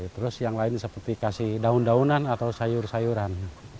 terus yang lain seperti kasih daun daunan atau sayur sayuran